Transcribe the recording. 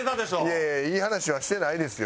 いやいやいい話はしてないですよ。